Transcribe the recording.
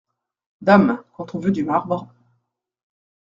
Dame, quand on veut du marbre…